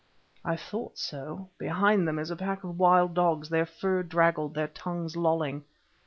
I thought so—behind them is a pack of wild dogs, their fur draggled, their tongues lolling.